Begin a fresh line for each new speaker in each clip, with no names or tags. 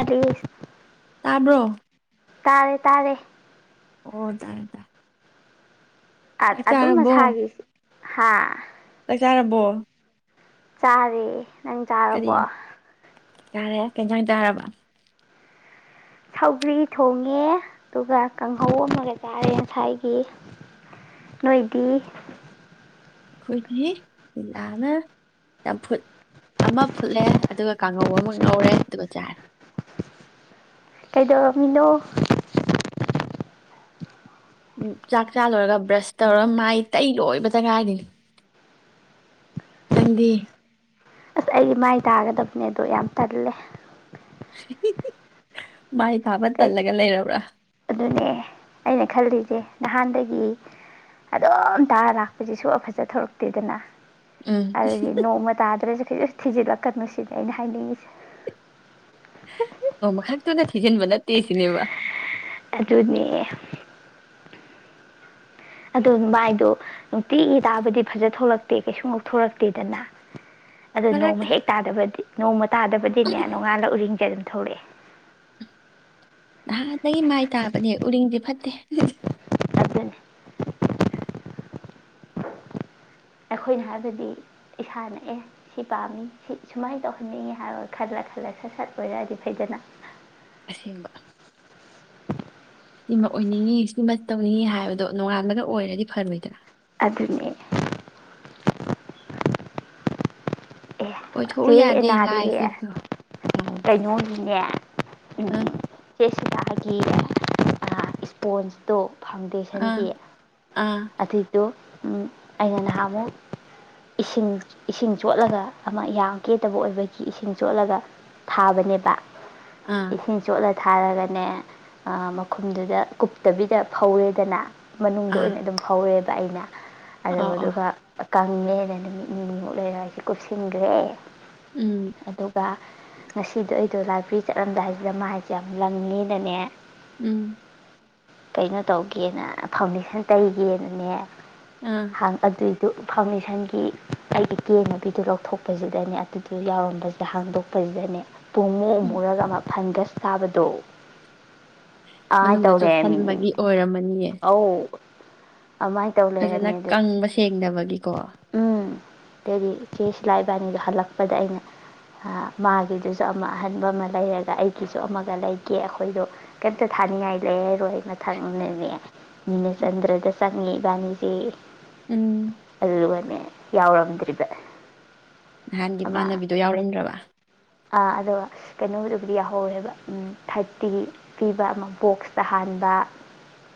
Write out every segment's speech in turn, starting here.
ꯑꯋꯁ
ꯇꯥꯕ꯭ꯔꯣ
ꯇꯥꯔꯦ ꯇꯥꯔꯦ
ꯑꯣ ꯇꯥꯏ ꯇꯥꯏ
ꯑꯗꯨꯝ ꯃꯁꯥꯒꯤ ꯍꯥꯥ
ꯆꯥꯛꯇꯥꯥꯔꯕꯣ
ꯆꯔꯦ ꯅꯪ ꯆꯥꯔꯕꯣ
ꯆꯥꯔꯦ ꯀꯩ ꯏꯟꯖꯁꯥꯡ ꯆꯥꯔꯕ
ꯁꯧꯒ꯭ꯔꯤ ꯊꯣꯡꯉꯦ ꯑꯗꯨꯒ ꯀꯥꯡꯍꯧ ꯑꯃꯒ ꯆꯥꯔꯦ ꯉꯁꯥꯏꯒꯤ ꯅꯣꯏꯗꯤ
ꯑꯩꯈꯣꯏꯗꯤ ꯂꯤꯂꯥꯅ ꯆꯝꯐꯨꯠ ꯑꯃ ꯐꯨꯠꯂꯦ ꯑꯗꯨꯒ ꯀꯥꯡꯉꯧ ꯑꯃ ꯉꯧꯔꯦ ꯑꯗꯨꯒ ꯆꯥꯔꯦ
ꯀꯩꯗꯧꯔꯝꯃꯤꯅꯣ
ꯎꯝ ꯆꯥꯛ ꯆꯥ ꯂꯣꯏꯔꯒ ꯕ꯭ꯔꯁ ꯇꯧꯔꯒ ꯃꯥꯏ ꯇꯩ ꯂꯣꯏꯕꯗꯉꯥꯏꯔꯤ ꯅꯪꯗꯤ
ꯑꯁ ꯑꯩ ꯃꯥꯏ ꯇꯥꯒꯗꯕꯅꯦ ꯑꯗꯣ ꯌꯥꯝ ꯇꯜꯂꯦ
ꯏꯍꯤ ꯍꯤ ꯍꯥꯏ ꯊꯥꯕ
ꯀꯩ
ꯇꯜꯂꯒ ꯂꯩꯔꯕ꯭ꯔꯥ
ꯑꯗꯨꯅꯦ ꯑꯩꯅ ꯈꯜꯂꯤꯁꯦ ꯅꯍꯥꯟꯗꯒꯤ ꯑꯗꯨꯝ ꯇꯥꯔ ꯂꯥꯛꯄꯁꯦ ꯁꯨꯛꯐ ꯐꯖ ꯊꫭꯔꯛꯇꯦꯗꯅ
ꯎꯝ
ꯑꯗꯨꯒꯤ ꯅꯣꯡꯃ ꯇꯥꯗ꯭ꯔꯁꯨ ꯊꯤ ꯊꯤꯖꯤꯜꯂꯛꯀꯅꯨ ꯁꯤꯅꯤ ꯑꯩꯅ ꯍꯥꯏꯅꯤꯡꯉꯤꯁꯦ
ꯑꯣ ꯃꯈꯥ ꯇꯨꯅ ꯊꯤꯖꯤꯟꯕ ꯅꯠꯇꯦ ꯁꯤꯅꯦꯕ
ꯑꯗꯨꯅꯦ ꯑꯗꯨ ꯃꯥꯏꯗꯣ ꯅꯨꯡꯇꯤꯒꯤ ꯇꯥꯕꯨꯗꯤ ꯐꯖ ꯊꯣꯛꯂꯛꯇꯦ ꯀꯩꯁꯨ ꯉꯧꯊꯣꯔꯛꯇꯦꯗꯅ ꯑꯗꯣ ꯅꯣꯡꯃ
ꯐꯔꯛꯇꯦ
ꯍꯦꯛ ꯇꯥꯗꯕꯗꯤ ꯅꯣꯡꯃ ꯇꯥꯗꯕꯗꯤꯅꯦ ꯅꯣꯡꯉꯥꯜꯂꯒ ꯎꯔꯤꯡ ꯖꯩꯔꯝ ꯊꫭꯛꯂꯛꯑꯦ
ꯅꯍꯥꯟꯗꯒꯤ ꯃꯥꯏ ꯇꯥꯕꯅꯦ ꯎꯔꯤꯡꯗꯤ ꯐꯠꯇꯦ
ꯑꯗꯨꯅꯤ ꯑꯩꯈꯣꯏꯅ ꯍꯥꯏꯕꯗꯤ ꯏꯁꯥꯅ ꯑꯦ ꯁꯤ ꯄꯥꯝꯃꯤ ꯁꯤ ꯁꯨꯃꯥꯏꯅ ꯇꯧꯍꯟꯅꯤꯡꯉꯤ ꯍꯥꯏꯔ ꯈꯜꯂ ꯈꯜꯂ ꯁꯠ ꯁꯠ ꯑꯣꯏꯔꯛꯑꯗꯤ ꯐꯩꯗꯅ
ꯑꯁꯦꯡꯕ ꯁꯤꯃ ꯑꯣꯏꯅꯤꯡꯉꯤ ꯁꯤꯃ ꯇꯧꯅꯤꯡꯉꯤ ꯍꯥꯏꯕꯗꯣ ꯅꯣꯉꯥꯟꯕꯗ ꯑꯣꯏꯔꯗꯤ ꯐꯔꯣꯏꯗ꯭ꯔꯥ
ꯑꯗꯨꯅꯦ ꯑꯦ
ꯑꯣꯏꯊꯣꯛꯎ
ꯆꯦ
ꯌꯥꯗꯦ
ꯏꯅꯥꯂꯤ
ꯂꯥꯏꯁꯤꯁꯨ ꯑꯥꯎ
ꯀꯩꯅꯣꯒꯤꯅꯦ ꯎꯝ
ꯑꯥ
ꯆꯦ ꯁꯤꯗ ꯍꯥꯏ ꯀꯤꯔꯥ ꯑꯥ ꯏꯁꯄꯣꯟꯁꯇꯣ
ꯑꯥ
ꯐꯥꯎꯟꯗꯦꯁꯟꯒꯤ
ꯑꯥ
ꯑꯗꯨꯏꯗꯨ ꯑꯩꯅ ꯅꯍꯥꯃꯨꯛ ꯏꯁꯤꯡ ꯏꯁꯤꯡ ꯆꯣꯠꯂꯒ ꯑꯃ ꯌꯥꯝ ꯀꯦꯇꯕ ꯑꯣꯏꯕꯒꯤ ꯏꯁꯤꯡ ꯆꯣꯠꯂꯒ ꯊꯥꯕꯅꯦꯕ
ꯑꯥ
ꯏꯁꯤꯡ ꯆꫭꯠꯂ ꯊꯥꯔꯒꯅꯦ ꯑ ꯃꯈꯨꯝꯗꯨꯗ ꯀꯨꯞꯇꯕꯤꯗ ꯐꯧꯔꯦꯗꯅ ꯃꯅꯨꯡꯗ
ꯑꯥ
ꯑꯣꯏꯅ ꯑꯗꯨꯝ ꯐꯧꯔꯦꯕ ꯄꯥꯏꯅ ꯑꯗꯨ
ꯑꯧ ꯑꯧ
ꯑꯗꯨꯒ ꯀꯪꯉꯦꯅ ꯅꯨꯃꯤꯠ ꯅꯤꯅꯤ ꯃꯨꯛ ꯂꯩꯔ ꯑꯩꯁꯦ ꯀꯨꯞꯁ ꯁꯤꯟꯒ꯭ꯔꯦ
ꯎꯝ
ꯑꯗꯨꯒ ꯉꯁꯤꯗꯣ ꯑꯩꯗꯣ ꯂꯥꯛ ꯀꯐ꯭ꯔꯤ ꯆꯠꯂꯝꯗꯥꯏ ꯍꯥꯏꯁꯤꯗ ꯃꯥ ꯍꯥꯏꯁꯦ ꯌꯥꯝ ꯂꯪꯉꯦꯗꯅꯦ
ꯎꯝ
ꯀꯩꯅꯣ ꯇꯧꯒꯦꯅ ꯐꯥꯎꯟꯗꯦꯁꯟ ꯇꯩꯒꯦꯅꯅꯦ
ꯑꯥ
ꯍꯥꯡ ꯑꯗꯨꯏ ꯑꯗꯨ ꯐꯥꯎꯟꯗꯦꯁꯟꯒꯤ ꯑꯩꯒꯤ ꯌꯦꯡꯅꯕꯤꯗꯨꯔꯣ ꯊꯣꯛꯄꯁꯤꯗꯅꯦ ꯑꯗꯨꯗ ꯌꯥꯎꯔꯝꯕꯁꯤꯗ ꯍꯥꯡꯗꯣꯛꯄꯁꯤꯗꯅꯦ ꯄꯨꯡꯃꯨꯛ
ꯎꯝ
ꯎꯃꯨꯔꯒ ꯑꯃꯨꯛ ꯍꯟꯒꯁꯤ ꯇꯥꯕꯗꯣꯛ
ꯃꯅꯨꯡꯗ ꯆꯣꯠꯁꯤꯟꯕꯒꯤ ꯑꯣꯏꯔꯝꯃꯅꯤꯌꯦ
ꯑꯧ ꯑꯗꯨꯃꯥꯏꯅ ꯇꯧ
ꯐꯖꯅ
ꯂꯩꯔꯝꯃꯦ ꯑꯗꯨ
ꯀꯪꯕ ꯁꯦꯡꯗꯕꯒꯤꯀꯣ
ꯑꯗꯨꯗꯤ ꯆꯦꯁ ꯏꯂꯥ ꯏꯕꯥꯅꯤꯗꯣ ꯍꯜꯂꯛꯄꯗ ꯑꯩꯅ ꯃꯥꯒꯤꯗꯨꯁꯨ ꯑꯃ ꯑꯍꯟꯕ ꯑꯃ ꯂꯩꯔꯒ ꯑꯩꯒꯤꯁꯨ ꯑꯃꯒ ꯂꯩꯒꯦ ꯑꯩꯈꯣꯏꯗꯣ ꯀꯩꯝꯇ ꯊꯥꯅꯤꯡꯉꯥꯏ ꯂꯩꯔꯔꯣꯏ ꯃꯊꯪꯅꯅꯦ ꯅꯤꯅꯆꯟꯗ꯭ꯔꯗ ꯆꯪꯉꯤ ꯏꯕꯥꯅꯤꯁꯤ
ꯎꯝ
ꯑꯗꯨꯒꯅꯦꯦ ꯌꯥꯎꯗꯔꯤꯕ
ꯅꯍꯥꯟꯒꯤ ꯏꯃꯥꯟꯅꯕꯤꯗꯣ ꯌꯥꯎꯔꯝꯗ꯭ꯔꯕ
ꯑꯥ ꯑꯗꯨꯒ ꯀꯩꯅꯣꯗꯨꯕꯨꯗꯤ ꯌꯥꯍꯧꯔꯦꯕ ꯊꯥꯔꯇꯤ ꯄꯤꯕ ꯑꯃ ꯕꯣꯛꯁꯇ ꯍꯥꯟꯕ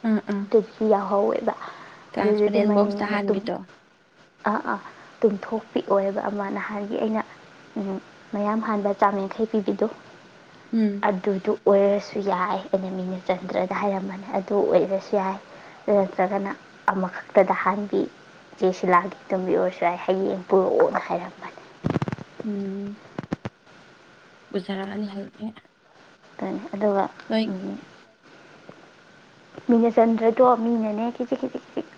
ꯑꯥ ꯑꯥ
ꯇ ꯌꯥ ꯑꯍꯧꯋ ꯑꯣꯏꯕ ꯑꯗꯨꯗꯨꯗꯤ
ꯇ꯭ꯔꯥꯟꯁꯄꯔꯦꯟ ꯕꯣꯛꯁꯇ
ꯃꯅꯤꯡꯉ ꯃꯇꯨꯡ
ꯍꯥꯟꯕꯤꯗꯣ
ꯑꯥ ꯑꯥ ꯇꯨꯝꯊꯣꯛꯄꯤꯑꯣꯕ ꯑꯃ ꯅꯍꯥꯟꯒꯤ ꯑꯩꯅ ꯃꯌꯥꯝ ꯑꯍꯥꯟꯕ ꯆꯥꯝꯃ ꯌꯥꯡꯈꯩ ꯄꯤꯕꯤꯗꯨꯣ
ꯎꯝ
ꯑꯗꯨꯗꯨ ꯑꯣꯏꯔꯁ ꯁꯨ ꯌꯥꯏ ꯑꯦꯅꯤꯃꯤ ꯅꯆꯟꯗ꯭ꯔꯗ ꯍꯥꯏꯔꯝꯕꯅꯤ ꯑꯗꯨ ꯑꯣꯏꯔꯁꯨ ꯌꯥꯏ ꯑꯗꯨ ꯅꯠꯇ꯭ꯔꯒꯅ ꯑꯃꯈꯛꯇꯗ ꯍꯍꯥꯟꯕꯤ ꯆꯦꯁꯤꯂꯥꯒꯤ ꯇꯨꯝꯕꯤ ꯑꯣꯏꯔꯁꯨ ꯌꯥꯏ ꯍꯌꯦꯡ ꯄꯨꯔꯛꯣꯅ ꯍꯥꯏꯔꯝꯕꯅꯤ
ꯎꯝ ꯎꯖꯔꯛꯑꯅꯤ ꯍꯌꯦ
ꯊꯅꯤ ꯑꯗꯨꯒ ꯃꯤꯅ ꯆꯟꯗ꯭ꯔꯗꯣ ꯃꯤꯅꯅꯦ ꯈꯤꯖꯤꯛ ꯈꯤꯖꯤꯛ ꯈꯤꯖꯤꯛ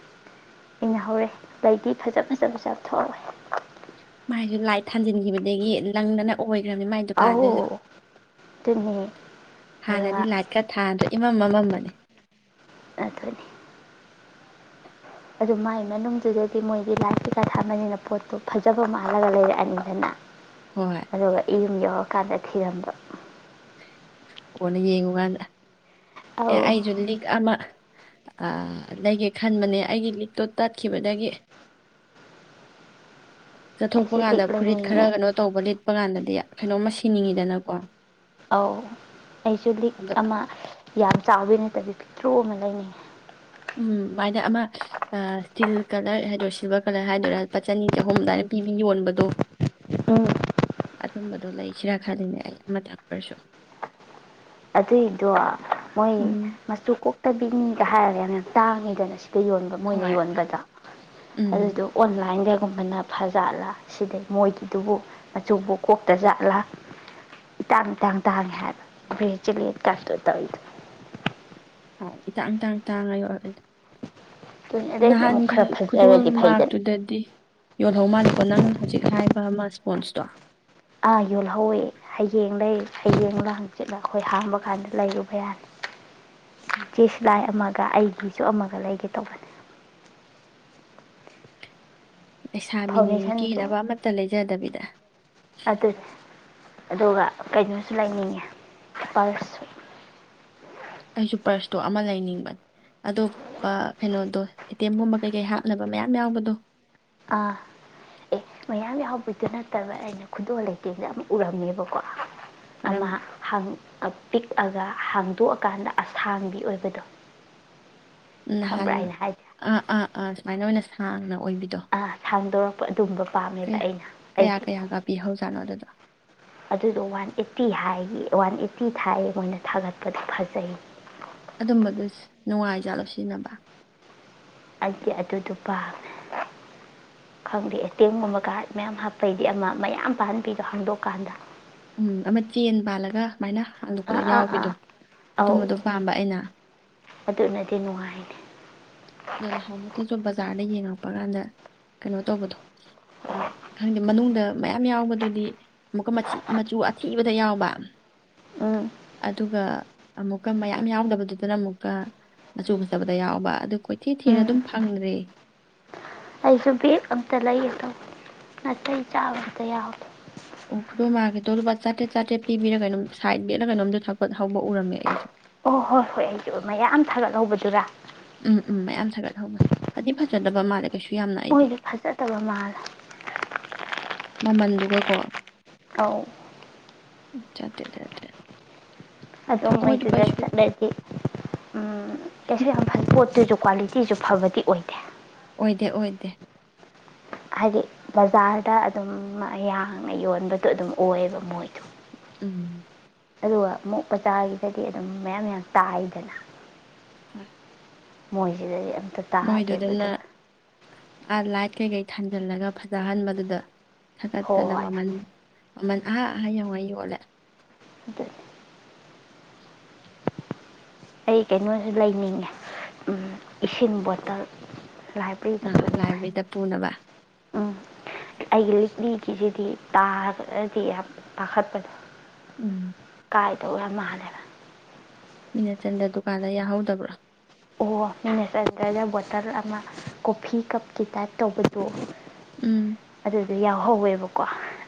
ꯏꯡꯅꯍꯧꯔꯦ ꯂꯩꯗꯤ ꯐꯖ
ꯎꯝ
ꯐꯖꯕꯁꯨ ꯌꯥꯝ ꯊꯣꯛꯛꯑꯦ
ꯃꯥꯏꯁꯨ ꯂꯥꯏꯠ ꯊꯥꯟꯖꯤꯟꯈꯤꯕꯗꯒꯤ ꯂꯪꯗꯅ ꯑꯣꯏ ꯏꯤꯝꯅꯤ ꯃꯥꯏ ꯗꯨꯀꯥꯟꯗꯨꯗ
ꯇꯝ
ꯍꯥꯟꯅꯗꯤ ꯂꯥꯏꯠꯀ ꯊꯥꯗ꯭ꯔꯦ ꯏꯃꯝ ꯑꯃꯃꯝꯕꯅꯦ
ꯑꯗꯨꯅꯤ ꯑꯗꯨ ꯃꯒꯤ ꯃꯅꯨꯡꯗꯨꯗꯗꯤ ꯃꯣꯏꯒꯤ ꯂꯥꯏꯐꯀꯤꯀꯥ ꯊꯝꯕꯅꯤꯅ ꯄꯣꯠꯇꯣ ꯐꯖꯕ ꯃꯥꯜꯂꯒ ꯂꯩꯔꯛꯑꯅꯤꯗꯅ
ꯍꯣꯏ
ꯑꯗꯨ ꯏ ꯌꯧꯔꯀꯥꯟꯗ ꯊꯤꯔꯝꯗꯣ
ꯑꯣꯅ ꯌꯦꯡꯉꯨ ꯀꯥꯟꯗ ꯑꯦ
ꯑꯧ
ꯑꯩꯁꯨ ꯂꯤ ꯑꯃ ꯂꯩꯒꯦ ꯈꯟꯕꯅꯦ ꯑꯩꯒꯤ ꯂꯤꯛꯇꯣ ꯇꯠꯈꯤꯕꯗꯒꯤ ꯆꯠꯊꯣꯛꯄ
ꯑꯩꯁꯨ
ꯀꯥꯟꯗ
ꯂꯤꯛ
ꯐꯨꯔꯤꯠ ꯈꯔ
ꯂꯩꯅꯤꯡꯉꯦ
ꯀꯩꯅꯣ ꯇꯧꯕ ꯂꯤꯠꯄ ꯀꯥꯟꯗꯗꯤ ꯀꯩꯅꯣ ꯃꯁꯤꯡ ꯊꯤꯅꯤꯡꯉꯤꯗꯅꯀꯣ
ꯑꯥꯎ ꯑꯩꯁꯨ ꯂꯤꯛ ꯑꯃ ꯌꯥꯝ ꯆꯥꯎꯕ ꯅꯠꯇꯕꯤ ꯄꯤꯇ꯭ꯔꯨ ꯑꯃ ꯂꯩꯅꯤꯦ
ꯎꯝ ꯚꯥꯏꯅ ꯑꯃ ꯏꯁꯇꯤꯜ ꯀꯂꯔ ꯍꯥꯏꯗꯣꯏꯔꯥ ꯁꯤꯜꯚꯔ ꯀꯂꯔ ꯍꯥꯏꯗꯣꯏꯔ ꯂꯄꯥ ꯆꯅꯤ ꯆꯍꯨꯝ ꯑꯗꯨꯃꯥꯏꯅ ꯄꯤꯕꯤ ꯌꯣꯟꯕꯗꯣ
ꯎꯝ
ꯑ ꯑꯗꯨꯝꯕꯗꯨꯣ ꯂꯩꯥꯏ ꯁꯤꯔꯥ ꯈꯥꯂꯤꯅꯦ ꯑꯩ ꯑꯃ ꯊꯥꯛꯄꯔꯁꯨ
ꯑꯗꯨꯏꯗꯣ ꯃꯣꯏ
ꯎꯝ
ꯃꯆꯨ ꯀꯣꯛꯇꯕꯤꯅꯤꯒ ꯍꯥꯏꯔꯒꯦꯅꯦ ꯇꯥꯡꯅꯤꯗꯅ ꯑꯁꯤ ꯇ ꯌꯣꯟꯕ ꯃꯣꯏꯅ
ꯍꯣꯏ
ꯌꯣꯟꯕꯗ
ꯎꯝ
ꯑꯗꯨꯗꯣ ꯑꯣꯟꯂꯥꯏꯟꯗ ꯁꯨꯝꯕꯅ ꯐꯖꯥꯠꯂꯥ ꯁꯤꯗꯩ ꯃꯣꯏꯒꯤꯗꯨꯕꯨ ꯃꯆꯨꯕꯨ ꯀꯣꯛꯇ ꯖꯥꯠꯂ ꯏꯇꯥꯡ ꯏꯇꯥꯡ ꯇꯥꯡꯉꯦ ꯍꯥꯏꯕ ꯕꯤꯖꯂꯤ ꯀꯥꯁꯇꯔꯗꯜ
ꯏ ꯇꯥꯡ ꯇꯥꯡ ꯇꯥꯡꯉ ꯌꯣꯦ
ꯑꯗꯨꯅꯤ ꯑꯗꯩꯗꯤ ꯑꯃꯨꯛ
ꯅꯍꯥꯟꯒꯤ
ꯈꯔ
ꯈꯨꯗꯣꯜ
ꯐꯖꯔꯗꯤ ꯐꯩꯗꯅ
ꯃꯔꯛꯇꯨꯗꯗꯤ ꯌꯣꯜꯍꯧ ꯃꯥꯜꯂꯤꯀꯣ ꯅꯪ ꯍꯧꯖꯤꯛ ꯍꯥꯏꯕ ꯑꯃ ꯍꯣꯟ ꯁꯇꯣ
ꯑꯥ ꯌꯣꯜꯍꯧꯋꯤ ꯍꯌꯦꯡ ꯂꯩ ꯍꯌꯦꯡꯗꯪꯆꯤꯠꯂ ꯑꯩꯈꯣꯏ ꯍꯥꯡꯕ ꯀꯥꯟꯗ ꯂꯩꯔꯨꯕ ꯌꯥꯅꯤ ꯆꯦꯁꯂꯥꯏ ꯑꯃꯥꯡ ꯒ ꯑꯩꯒꯤꯁꯨ ꯑꯃꯒ ꯂꯩꯒꯦ ꯇꯧꯒꯅꯤ
ꯂꯩꯁꯥꯃꯤꯅꯤ
ꯐꯥꯎꯟꯗꯦꯁꯟꯗꯣ
ꯀꯦꯅꯕ ꯑꯃꯇ ꯂꯩꯖꯗꯕꯤꯗ
ꯑꯗꯨꯅꯤ ꯑꯗꯨꯒ ꯀꯩꯅꯣꯁꯨ ꯂꯩꯅꯤꯡꯉꯦ ꯄꯔꯁꯁꯨ
ꯑꯩꯁꯨ ꯄꯔꯁꯇꯣ ꯑꯃ ꯂꯩꯅꯤꯡꯕꯅꯦ ꯑꯗꯣ ꯀꯩꯅꯣꯗꯣ ꯑꯦꯇꯤ ꯑꯦꯝꯒꯨꯝꯕ ꯀꯩꯀꯩ ꯍꯥꯞꯅꯕ ꯃꯌꯥꯝ ꯌꯥꯎꯕꯗꯣ
ꯑꯥ ꯑꯦ ꯃꯌꯥꯝ ꯌꯥꯎꯕꯩꯗꯨ ꯅꯠꯇꯕ ꯑꯩꯅ ꯈꯨꯗꯣꯜ ꯂꯩꯇꯩꯗ ꯑꯃ ꯎꯔꯝꯃꯦꯕꯀꯣ ꯑꯃ
ꯀꯔꯝꯕ
ꯍꯪ ꯄꯤꯛꯑꯒ ꯍꯥꯡꯗꯣꯛꯑꯀꯥꯟꯗ ꯑꯁꯥꯡꯕꯤ ꯑꯣꯏꯕꯗꯣ
ꯅꯍꯥꯟ
ꯈꯪꯕ꯭ꯔꯥ ꯑꯩꯅ ꯍꯥꯏꯁꯦ
ꯑ ꯑꯥ ꯁꯨꯃꯥꯏꯅ ꯑꯣꯏꯅ ꯁꯥꯡꯅ ꯑꯣꯏꯕꯤꯗꯣ
ꯊꯥꯡꯗꯣꯔꯛꯄ
ꯀꯌꯥ ꯀꯌꯥ ꯀꯌꯥꯒ ꯄꯤꯍꯧꯖꯥꯠꯅꯣ ꯑꯗꯨꯗꯣ
ꯑꯗꯨꯗꯣ ꯋꯥꯟ ꯑꯦꯠꯇꯤ ꯍꯥꯏꯒꯤ ꯋꯥꯟ ꯑꯦꯠꯇꯤ ꯊꯥꯏꯌꯦ ꯃꯣꯏꯅ ꯊꯥꯒꯠꯄꯗꯤ ꯐꯖꯩ
ꯑꯗꯨꯝꯕꯗꯨꯁꯨ ꯅꯨꯡꯉꯥꯏꯖꯥ ꯂꯧꯁꯤꯟꯅꯕ
ꯍꯥꯏꯗꯤ ꯑꯗꯨꯗꯨ ꯄꯥꯝꯃꯦ ꯈꯪꯗꯦ ꯑꯦ ꯇꯦꯡꯒꯨꯝꯕ ꯀꯥꯔꯠ ꯃꯌꯥꯝ ꯍꯥꯞꯄꯩꯗꯤ ꯑꯃ ꯃꯌꯥꯝ ꯄꯥꯍꯟꯕꯤꯗꯣ ꯍꯥꯡꯗꯣꯛꯀꯥꯟꯗ
ꯎꯝ ꯑꯃ ꯆꯦꯟ ꯄꯥꯜꯂꯒ ꯁꯨꯃꯥꯏꯅ ꯍꯥꯡꯗꯣꯛꯄꯗ
ꯑꯥ ꯑꯥ ꯑꯥ
ꯌꯥꯎꯕꯤꯗꯣ
ꯑꯧ
ꯑꯗꯨꯝꯕꯗꯣ ꯄꯥꯝꯕ ꯑꯩꯅ
ꯑꯗꯨꯅꯗꯤ ꯅꯨꯡꯉꯥꯏꯅꯤ
ꯑꯗꯣ ꯅꯍꯥꯟꯃꯛꯇꯁꯨ ꯕꯖꯥꯔꯗ ꯌꯦꯡꯉꯛꯄ ꯀꯥꯟꯗ ꯀꯩꯅꯣ ꯇꯧꯕꯗꯣ ꯑ ꯈꯪꯗꯦ ꯃꯅꯨꯡꯗ ꯃꯌꯥꯝ ꯌꯥꯎꯕꯗꯨꯗꯤ ꯑꯃꯨꯛꯀ ꯃꯆꯨ ꯑꯊꯤꯕꯗ ꯌꯥꯎꯕ
ꯎꯝ
ꯑꯗꯨꯒ ꯑꯃꯨꯛꯀ ꯃꯌꯥꯝ ꯌꯥꯎꯗꯕꯗꯨꯗꯅ ꯑꯃꯨꯛꯀ ꯃꯆꯨ ꯐꯖꯕꯗ ꯌꯥꯎꯕ ꯑꯗꯨ ꯀꯣꯏꯊꯤ ꯊꯤꯔ
ꯎꯝ
ꯑꯗꯨꯝ ꯐꯪꯗ꯭ꯔꯦ
ꯑꯩꯁꯨ ꯕꯦꯛ ꯑꯝꯇ ꯂꯩꯒꯗꯧꯕ ꯅꯥꯇꯩ ꯆꯥꯕ ꯑꯝꯇ ꯌꯥꯎꯇꯦ
ꯑꯣ ꯈꯨꯗꯣ ꯃꯥꯒꯦꯗꯣ ꯑꯗꯨꯒꯄꯥ ꯆꯥꯇꯔꯦꯠ ꯆꯥꯇꯔꯦꯠ ꯄꯤꯕꯤꯔꯒꯩꯅꯣꯝ ꯁꯥꯏꯠ ꯕꯤꯠꯂ ꯀꯩꯅꯣꯝꯗꯣ ꯊꯒꯠ ꯍꯧꯕ ꯎꯔꯝꯃꯦ ꯑꯩꯁꯨꯣ
ꯑꯣ ꯍꯣꯏ ꯍꯣꯏ ꯑꯩꯁꯨ ꯃꯌꯥꯝ ꯊꯥꯒꯠꯍꯧꯕꯗꯨꯔ
ꯎꯝ ꯎꯝ ꯃꯌꯥꯝ ꯁꯥꯒꯠꯍꯧꯕꯅꯤ ꯐꯗꯤ ꯐꯖꯗꯕ ꯃꯥꯜꯂꯦ ꯀꯩꯁꯨ ꯌꯥꯝꯅ ꯑꯩꯗꯤ
ꯃꯣꯏꯗꯨ ꯐꯖꯗꯕ ꯃꯥꯜꯂꯦ
ꯃꯃꯟꯗꯨꯒꯀꯣ
ꯑꯥꯎ
ꯆꯗꯦ ꯆꯗꯦ
ꯑꯗꯨꯝ ꯃꯣꯏꯗꯨꯗ ꯆꯠꯂꯗꯤ ꯎꯝ ꯀꯩꯁꯨ ꯌꯥꯝ ꯐ ꯄꯣꯠꯇꯨꯁꯨ ꯀ꯭ꯋꯥꯂꯤꯇꯤꯁꯨ ꯐꯕꯗꯤ ꯑꯣꯏꯗꯦ
ꯑꯣꯏꯗꯦ ꯑꯣꯏꯗꯦ
ꯍꯥꯏꯗꯤ ꯕꯖꯥꯔꯗ ꯑꯗꯨꯝ ꯃꯌꯥꯡꯅ ꯌꯣꯟꯕꯗꯣ ꯑꯗꯨꯝ ꯑꯣꯏꯌꯦꯕ ꯃꯣꯏꯗꯣ
ꯎꯝ
ꯑꯗꯨꯒ ꯑꯃꯨꯛ ꯕꯖꯥꯔꯒꯤꯗꯗꯤ ꯑꯗꯨꯝ ꯃꯌꯥꯝ ꯌꯥꯝ ꯇꯥꯏꯗꯅ
ꯎꯝ
ꯃꯣꯏꯁꯤꯗꯗꯤ ꯑꯝ ꯇ ꯇꯥꯗꯦꯕ ꯑꯗꯨꯒ
ꯑ ꯂꯥꯏꯠ ꯀꯩꯀꯩ ꯊꯥꯟꯖꯜꯂꯒ ꯐꯖꯍꯟꯕꯗꯨꯗ ꯊꯀꯠꯇꯅ
ꯍꯣꯏ
ꯃꯃꯟ ꯃꯃꯟ ꯑꯑꯥ ‌ꯌꯧꯒꯩ ꯌꯣꯜꯂꯦ
ꯑꯗ ꯑꯩ ꯀꯩꯅꯣꯁꯨ ꯂꯩꯅꯤꯡꯉꯦ ꯎꯝ ꯏꯁꯤꯡ ꯕꯣꯇꯜ ꯂꯥꯏꯕ꯭ꯔꯦꯔꯤꯗ
ꯑ
ꯄꯨꯅꯤꯡꯉꯥꯏ
ꯂꯥꯏꯕ꯭ꯔꯦꯔꯤꯗ ꯄꯨꯅꯕ
ꯎꯝ ꯑꯩꯒꯤ ꯂꯤꯛꯂꯤꯒꯤꯁꯤꯗꯤ ꯇꯥꯔꯕꯗꯤ ꯌꯥꯝ ꯄꯥꯈꯠꯄꯗꯣ
ꯎꯝ
ꯄꯥꯏꯗꯧꯌꯥꯝ ꯃꯥꯜꯂꯦꯕ
ꯃꯤꯅꯠ ꯆꯟꯗ꯭ꯔ ꯗꯨꯀꯥꯟꯗ ꯌꯥꯍꯧꯗꯕ꯭ꯔꯣ
ꯇꯜ ꯑꯃ ꯀꯣꯐꯤ ꯀꯞꯀꯤ ꯇꯥꯏꯞ ꯇꯧꯕꯗꯣ
ꯎꯝ
ꯑꯗꯨꯗꯨ ꯌꯥꯎ ꯍꯧꯋꯦꯕꯀꯣ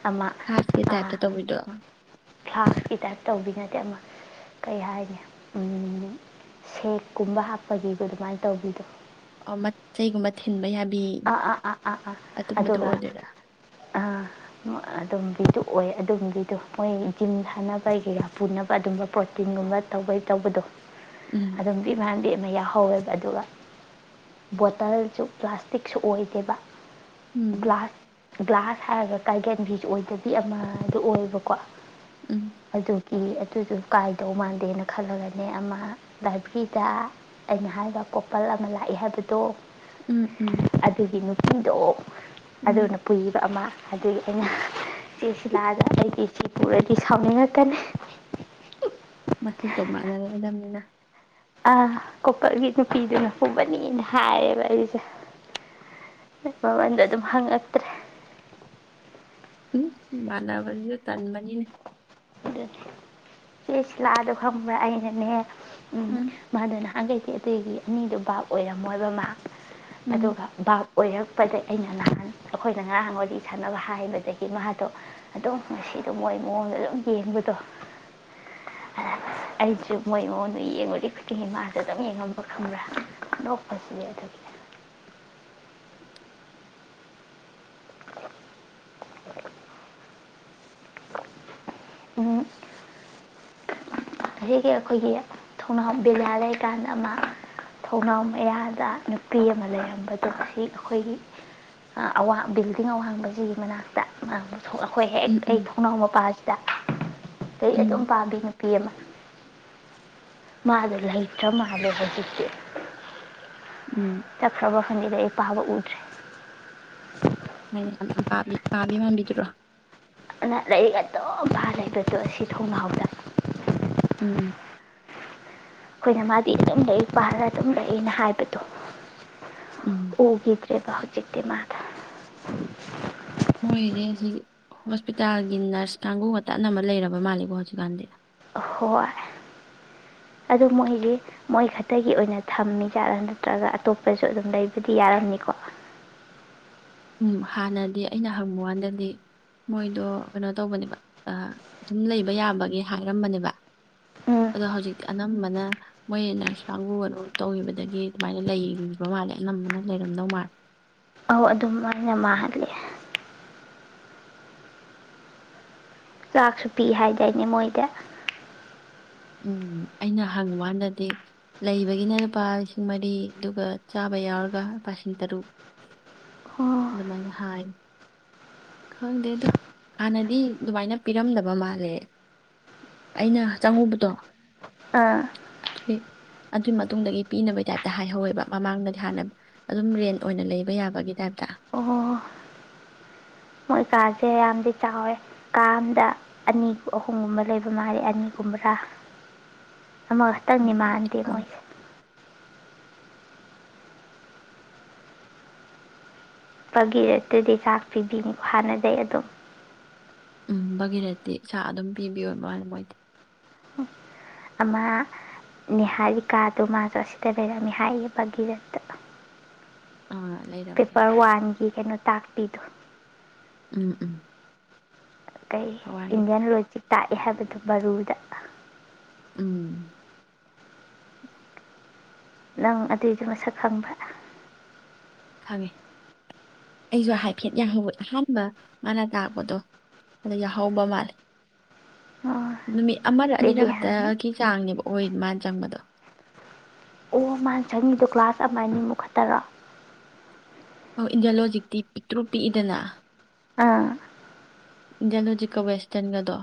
ꯑꯃ
ꯐ꯭ꯂꯥꯛꯁꯀꯤ ꯇꯥꯏꯞꯇ
ꯑꯥ
ꯇꯧꯕꯤꯗꯣ
ꯐꯥꯂꯁ ꯒꯤ ꯇꯥꯏꯞ ꯇꯧꯕꯤ ꯅꯠꯇꯦ ꯑꯃ ꯀꯩ ꯍꯥꯏꯅꯤ ꯁꯦꯛꯀꯨꯝꯕ ꯍꯥꯞ ꯐꯒꯤꯕꯗꯣ ꯑꯗꯨꯃꯥꯏꯅ ꯇꯧꯕꯤꯗꯣ
ꯑꯣ ꯃꯆꯩꯒꯨꯝꯕ ꯊꯤꯟꯕ ꯌꯥꯕ
ꯑꯥ ꯑꯥ ꯑꯥ ꯑꯥ ꯑꯥ ꯑꯗꯨꯒ
ꯑꯣꯏꯗꯣꯏꯔꯥ
ꯑ ꯑꯗꯨꯝꯒꯤ ꯑꯣꯏ ꯑꯗꯨꯝꯕꯒꯤꯗꯣ ꯃꯣꯏ ꯖꯤꯝ ꯁꯥꯅꯕꯒꯤ ꯄꯨꯅꯕ ꯑꯗꯨꯝꯕ ꯄ꯭ꯔꯣꯇꯤꯟꯒꯨꯝꯕ ꯇꯧꯕꯩ ꯇꯧꯕꯗꯣ
ꯎꯝ
ꯑꯗꯨꯝꯗꯤ ꯚꯥꯟꯗꯤ ꯌꯥꯎꯍꯧꯋꯦꯕ ꯑꯗꯨꯒ ꯕꯣꯇꯜꯁꯨ ꯄ꯭ꯂꯥꯁꯇꯤꯛ ꯇꯤꯛꯁꯨ ꯑꯣꯏꯗꯦꯕ
ꯎꯝ
ꯒ꯭ꯂꯥꯁ ꯒ꯭ꯂꯥꯁ ꯍꯥꯏꯔꯒ ꯀꯥꯏꯒꯦꯟꯕꯤꯁꯨ ꯑꯣꯏꯗꯕꯤ ꯑꯃꯗ ꯑꯣꯏꯕꯀꯣ
ꯎꯝ
ꯀꯤ ꯑꯗꯨꯗꯨ ꯀꯥꯏꯗꯧ ꯃꯥꯟꯗꯦꯅ ꯈꯜꯂꯒꯅꯦ ꯑꯃ ꯂꯥꯏꯕ꯭ꯔꯦꯔꯤꯗ ꯑꯩꯅ ꯍꯥꯏꯕ ꯀꯣꯄꯜ ꯑꯃ ꯂꯥꯛꯏ ꯍꯥꯏꯕꯗꯣ
ꯎꯝ ꯎꯝ
ꯄꯤꯗꯣ
ꯎꯝ
ꯑꯗꯨꯅ ꯄꯨꯏꯕ ꯑꯃ ꯑꯗꯨꯒꯤ ꯑꯩꯅ ꯏꯆꯦ ꯁꯤꯂꯥꯗ ꯑꯩꯗꯤ ꯏꯆꯦ ꯄꯨꯔꯗꯤ ꯁꯥꯎꯅꯤꯡꯉꯛꯀꯅꯤ
ꯃꯁꯛꯇꯣ ꯃꯥꯟꯅꯅꯤꯡꯗꯕꯅꯤꯅ
ꯑ ꯀꯣꯀꯛꯒꯤ ꯅꯨꯄꯤꯗꯨꯅ ꯄꯨꯕꯅꯤꯅ ꯍꯥꯏꯌꯦꯕ ꯑꯩꯁꯦ ꯃꯃꯟꯗꯣ ꯑꯗꯨꯝ ꯍꯪꯉꯛꯇ꯭ꯔꯦ
ꯎ ꯃꯥꯟꯅꯕꯗꯨꯁꯨ ꯇꯟꯕꯅꯤꯅꯦ
ꯑꯗꯨ ꯆꯦ ꯁꯤꯂꯥꯗꯣ ꯈꯪꯕ꯭ꯔꯥ ꯑꯩꯅꯅꯦ ꯎꯝ ꯃꯥꯅ ꯅꯍꯥꯟꯒꯩ ꯑ ꯑꯇꯩꯒꯤ ꯑꯅꯤꯗꯨꯣ ꯕꯥꯞ ꯑꯣꯏꯔꯝꯃꯣꯏꯕ ꯃꯥ
ꯎꯝ
ꯑꯗꯨꯒ ꯑꯣꯏꯔꯛꯄꯗ ꯑꯩꯅ ꯅꯍꯥꯟ ꯑꯩꯈꯣꯏꯅ ꯉꯥꯡ ꯋꯥꯔꯤ ꯁꯥꯟꯅꯕ ꯍꯥꯏꯕꯗꯒꯤ ꯃꯥꯗꯣ ꯑꯗꯨꯝ ꯉꯁꯤꯗꯣ ꯃꯣꯏ ꯃꯑꯣꯡꯗꯣ ꯑꯗꯨꯝ ꯌꯦꯡꯕꯗꯣ ꯑ ꯑꯩꯁꯨ ꯃꯣꯏ ꯃꯉꯣꯟꯗ ꯌꯦꯡꯉꯨꯗꯤ ꯈꯨꯗꯤꯡꯒꯤ ꯃꯥꯁꯨ ꯑꯗꯨꯝ ꯌꯦꯡꯉꯝꯕ ꯈꯪꯕ꯭ꯔꯥ ꯅꯣꯛꯄꯁꯤꯅꯦ ꯑꯗꯨꯒꯤꯅꯦ
[inaudible]
ꯎꯝ ꯑꯁꯤꯒꯤꯒꯤ ꯑꯩꯈꯣꯏꯒꯤ ꯊꯣꯡꯅꯥꯎ ꯕꯦꯂꯥ ꯂꯩꯀꯥꯟꯗ ꯑꯃ ꯊꯣꯡꯅꯥꯎ ꯃꯌꯥꯗ ꯅꯨꯄꯤ ꯑꯃ ꯂꯩꯔꯝꯕꯗꯣ ꯁꯤ ꯑꯩꯈꯣꯏꯒꯤ ꯑꯋꯥꯡ ꯕꯤꯜꯗꯤꯡ ꯑꯋꯥꯡꯕꯁꯤꯒꯤ ꯃꯅꯥꯛꯇ ꯑꯩꯈꯣꯏ ꯍꯦꯛ
ꯎꯝ
ꯑꯩ
ꯎꯝ
ꯊꯣꯡꯅꯥꯎ ꯃꯄꯥꯁꯤꯗ ꯂꯥꯏꯔꯤꯛ ꯑꯗꯨꯝ
ꯎꯝ
ꯄꯥꯕꯤ ꯅꯨꯄꯤ ꯑꯃ ꯃꯥꯗꯣ ꯂꯩꯇꯔ ꯃꯥꯜꯂꯦ ꯍꯧꯖꯤꯛꯆꯤ
ꯎꯝ
ꯆꯠꯈ꯭ꯔꯕ ꯈꯪꯗꯦ ꯂꯩ ꯄꯥꯕ ꯎꯗ꯭ꯔꯦ
ꯍꯥꯏꯅꯦ ꯌꯥꯝ ꯌꯥꯝ ꯄꯥꯕꯤ ꯄꯥꯕꯤ ꯃꯥꯟꯕꯤꯗꯨꯔꯣ
ꯑꯗꯨꯅ ꯂꯥꯏꯔꯤꯛ ꯑꯗꯨꯝ ꯄꯥ ꯂꯩꯕꯗꯣ ꯑꯁꯤ ꯊꯣꯡꯅꯥꯎꯗ
ꯎꯝ
ꯑꯩꯈꯣꯏꯅ ꯃꯥꯗꯤ ꯑꯗꯨꯝ ꯂꯥꯏꯔꯤꯛ ꯄꯥꯔ ꯑꯗꯨꯝ ꯂꯩꯑꯂꯅ ꯍꯥꯏꯕꯗꯣ
ꯎꯝ
ꯎꯒꯤ ꯕ ꯍꯧꯖꯤꯛꯆꯤ ꯃꯥꯗꯣ
ꯍꯣꯏꯅꯦ ꯍꯧꯖꯤ ꯍꯣꯁꯄꯤꯇꯥꯜꯒꯤ ꯅꯔꯁ ꯀꯥꯡꯕꯨꯒ ꯑꯅꯝꯕ ꯂꯩꯔꯕ ꯃꯥꯜꯂꯦꯀꯣ ꯍꯧꯖꯤꯛꯀꯥꯟꯗꯤ
ꯍꯣꯏ ꯑꯗꯨ ꯃꯣꯏꯒꯤ ꯃꯣꯏ ꯈꯛꯇꯒꯤ ꯑꯣꯏꯅ ꯊꯝꯃꯤ ꯖꯥꯠꯂ ꯅꯠꯇ꯭ꯔꯒ ꯑꯇꯣꯞꯄꯁꯨ ꯑꯗꯨꯝ ꯂꯩꯕꯨꯗꯤ ꯌꯥꯔꯝꯅꯤꯀꯣ
ꯎꯝ ꯍꯥꯟꯅꯗꯤ ꯑꯩꯅ ꯍꯪꯕ ꯀꯥꯟꯗꯗꯤ ꯃꯣꯏꯗꯣ ꯀꯩꯅꯣ ꯇꯧꯕꯅꯦꯕ ꯑꯗꯨꯝ ꯂꯩꯕ ꯌꯥꯕꯒꯤ ꯍꯥꯏꯔꯝꯕꯅꯦꯕ
ꯎꯝ
ꯑꯗꯣ ꯍꯧꯖꯤꯛ ꯑꯥꯅꯝꯃ ꯑꯗꯨꯅ ꯃꯣꯏ ꯅꯔꯁ ꯀꯥꯡꯕꯨ ꯀꯅꯣ ꯇꯧꯈꯤꯕꯗꯒꯤ ꯑꯗꯨꯃꯥꯏꯅ ꯂꯩꯈꯤꯕ ꯃꯥꯜꯂꯦ ꯑꯅꯝꯕꯅ ꯂꯩꯔꯝꯗꯧ ꯃꯥꯜꯂꯦ
ꯑꯧ ꯑꯗꯨꯝ ꯑꯅ ꯃꯥꯍꯂꯦ ꯆꯥꯛꯁꯨ ꯄꯤ ꯍꯥꯏꯗꯥꯏꯅꯦ ꯃꯣꯏꯗ
ꯎꯝ ꯑꯩꯅ ꯍꯪꯉꯀꯥꯟꯗꯗꯤ ꯂꯩꯕꯒꯤꯅ ꯂꯨꯄꯥ ꯂꯤꯁꯤꯡ ꯃꯔꯤ ꯑꯗꯨꯒ ꯆꯥꯕ ꯌꯥꯎꯔꯒ ꯂꯨꯄꯥ ꯂꯤꯁꯤꯡ ꯇꯔꯨꯛ
ꯑꯣ
ꯑꯗꯨꯃꯥꯏꯅ ꯍꯥꯏ ꯈꯪꯗꯦ ꯑꯗꯣ ꯍꯥꯟꯅꯗꯤ ꯑꯗꯨꯃꯥꯏꯅ ꯄꯤꯔꯝꯗꯕ ꯃꯥꯜꯂꯦ ꯑꯩꯅ ꯆꯪꯉꯧꯕ ꯠꯇ
ꯑꯥ
ꯑꯗꯨꯏ ꯃꯇꯨꯡꯗꯒꯤ ꯄꯤꯅꯕꯒꯤ ꯇꯥꯏꯞꯇ ꯍꯥꯏꯍꯧꯋꯦꯕ ꯃꯃꯥꯡꯗꯗꯤ ꯍꯥꯟꯅ ꯑꯗꯨꯝ ꯔꯦꯟ ꯑꯣꯏꯅ ꯂꯩꯕ ꯌꯥꯕꯒꯤ ꯇꯥꯏꯞꯇ
ꯑꯣ ꯃꯣꯏ ꯀꯥꯁꯦ ꯌꯥꯝꯗꯤ ꯆꯥꯎꯋꯦ ꯀꯥ ꯑꯗ ꯑꯅꯤ ꯑꯍꯨꯝꯒꯨꯝꯕ ꯂꯩꯕ ꯃꯥꯜꯂꯤ ꯑꯅꯤꯒꯨꯝꯕ꯭ꯔꯥ ꯑꯃꯈꯛꯇꯪꯗꯤ
ꯅꯨꯄꯥꯗꯤ
ꯃꯥꯟꯗꯦ
ꯆꯥꯎ-
ꯃꯣꯏꯁꯦ ꯐꯒꯤ ꯔꯦꯠꯇꯨꯗꯤ ꯆꯥꯛꯄꯤꯕꯤꯅꯤ ꯍꯥꯟꯅꯗꯩ ꯑꯗꯨꯝ
ꯎꯝ ꯕꯒꯤꯔꯠꯇꯤ ꯏꯁꯥ ꯑꯗꯨꯝ ꯄꯤꯕꯤꯌꯣ ꯃꯅ ꯃꯣꯏꯗꯤ
ꯑꯃ ꯅꯤꯍꯥꯔꯤꯀꯥꯗꯣ ꯃꯥꯁꯨ ꯑꯁꯤꯗ ꯂꯩꯔꯝꯅꯤ ꯍꯥꯏꯥꯌꯦ ꯕꯒꯤꯔꯠꯇ
ꯑꯥ ꯂꯩꯔꯝꯃꯦ
ꯄꯦꯄꯔ ꯋꯥꯟꯒꯤ ꯀꯩꯅꯣ ꯇꯥꯛꯄꯤꯗꯨ
ꯎꯝ ꯎꯝ
ꯀꯩ
ꯄꯋꯥꯔꯒꯤꯗ
ꯏꯟꯗꯤꯌꯥꯟ ꯂꯣꯒꯤꯛ ꯇꯥꯛꯑꯦ ꯍꯥꯏꯕꯗꯣ ꯃꯔꯕꯥꯨꯗ
ꯎꯝ
ꯅꯪ ꯑꯗꯨꯏꯗꯤ ꯃꯁꯛ ꯈꯪꯕ
ꯈꯪꯉꯦ ꯑꯩꯁꯨ ꯍꯥꯏꯐꯦꯠ ꯑꯍꯥꯟꯕ ꯃꯥꯅ ꯇꯥꯛꯄꯗꯣ ꯑꯗꯨꯗꯣ ꯌꯥꯍꯧꯕ ꯃꯥꯜꯂꯦ
ꯑꯣ
ꯅꯨꯃꯤꯠ ꯑꯃꯗ ꯑꯅꯤꯔꯛ
ꯕꯦꯂꯤꯍꯥꯟ
ꯈꯛꯇꯒꯤ ꯆꯥꯡꯅꯦꯕꯣ ꯑꯣꯏ ꯃꯥꯅ ꯆꯪꯕꯗꯣ
ꯑꯣ ꯃꯥꯅ ꯆꯪꯉꯤꯗꯣ ꯒ꯭ꯂꯥꯁ ꯑꯃꯥꯏꯅꯤ ꯃꯨꯛ ꯈꯠꯇꯔꯣ
ꯑ ꯏꯟꯗꯤꯌꯥ ꯂꯣ ꯍꯧꯖꯤꯛꯇꯤ ꯄꯤꯛꯇ꯭ꯔꯨ ꯄꯤꯛꯏꯗꯅ
ꯑꯥ
ꯏꯟꯗꯤꯌꯥꯟꯂꯣꯖꯤꯛꯀ ꯋꯦꯁꯇꯔꯟꯒꯗꯣ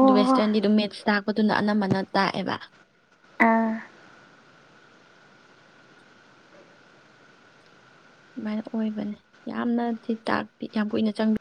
ꯑꯗꯨ ꯋꯦꯁꯇꯔꯟꯒꯤꯗꯝ ꯃꯦꯠꯁ ꯇꯥꯛꯀꯗꯨꯅ ꯑꯅꯝꯕꯅ ꯇꯥꯛꯑꯦꯕ
ꯑꯥ
ꯑꯗꯨꯃꯥꯏꯅ ꯑꯣꯏꯕꯅꯦ ꯌꯥꯝꯅ ꯁꯤ ꯌꯥꯝ ꯀꯨꯏꯅ ꯆꯪꯗ